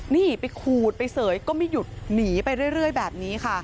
นี่ไปขูดไปเสยก็ไม่หยุดหนีไปเรื่อยแบบนี้ค่ะ